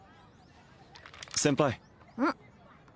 先輩うん？